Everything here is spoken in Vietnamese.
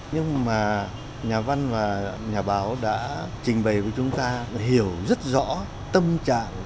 nhưng mà nhà văn và nhà báo đã trình bày với chúng ta hiểu rất rõ tâm trạng